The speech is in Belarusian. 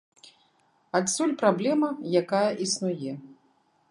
Адсюль праблема, якая існуе.